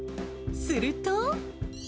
すると。